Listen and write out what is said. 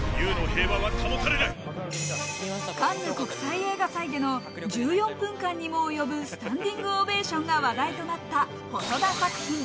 カンヌ国際映画祭での１４分間にも及ぶスタンディングオベーションが話題となった細田作品。